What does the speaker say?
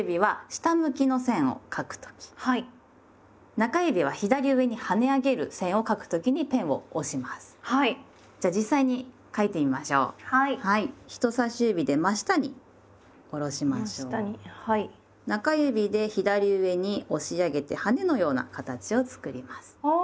中指で左上に押し上げてはねのような形を作ります。